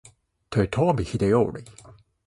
豊臣秀頼